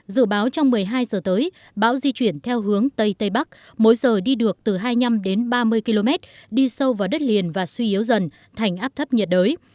dự báo trong một mươi hai giờ tới bão di chuyển theo hướng tây tây bắc mỗi giờ đi được từ hai mươi năm đến ba mươi km đi sâu vào đất liền và suy yếu dần thành áp thấp nhiệt đới